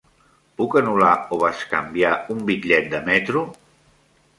Puc anul·lar o bescanviar un bitllet de metro?